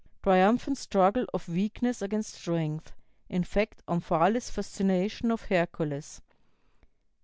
Triumphant struggle of weakness against strength; in fact, Omphale's fascination of Hercules.